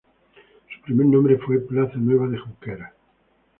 Su primer nombre fue plaza Nueva de Junqueras.